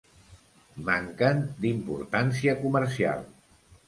Manquen d'importància comercial.